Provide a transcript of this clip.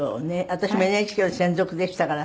私もＮＨＫの専属でしたから。